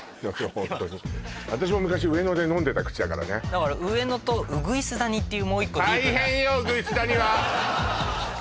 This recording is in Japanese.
ホントに私も昔上野で飲んでたクチだからねだから上野と鶯谷っていうもう一個ディープな大変よ